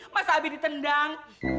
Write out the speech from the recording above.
masa abi ditendang